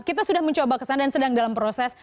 kita sudah mencoba kesana dan sedang dalam proses